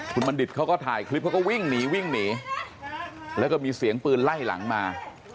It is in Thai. คุณบัณฑิตเขาก็ถ่ายคลิปเขาก็วิ่งหนีวิ่งหนีแล้วก็มีเสียงปืนไล่หลังมา